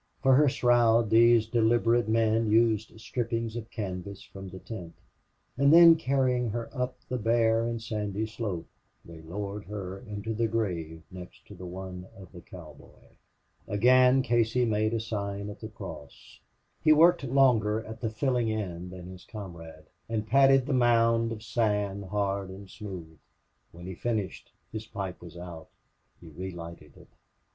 For her shroud these deliberate men used strippings of canvas from the tent, and then, carrying her up the bare and sandy slope, they lowered her into the grave next to the one of the cowboy. Again Casey made a sign of the cross. He worked longer at the filling in than his comrade, and patted the mound of sand hard and smooth. When he finished, his pipe was out. He relighted it.